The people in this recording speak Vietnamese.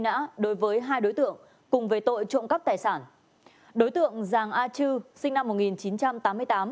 và đối tượng trần văn mạnh sinh năm một nghìn chín trăm tám mươi bảy